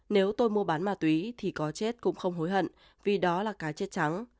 nếu tôi mua bán ma túy thì có chết cũng không hối hận vì đó là cá chết trắng